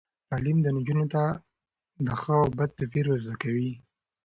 تعلیم نجونو ته د ښه او بد توپیر ور زده کوي.